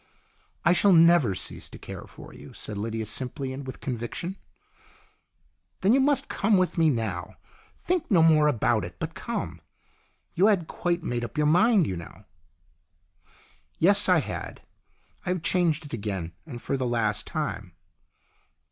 " I shall never cease to care for you," said Lydia simply and with conviction. "Then you must come with me now. Think no more about it, but come. You had quite made up your mind, you know." " Yes, I had. I have changed it again, and for the last time."